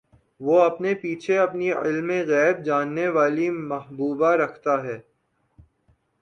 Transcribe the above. وہ اپنے پیچھے اپنی علمِغیب جاننے والی محبوبہ رکھتا ہے